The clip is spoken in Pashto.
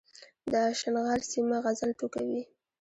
د اشنغر سيمه غزل ټوکوي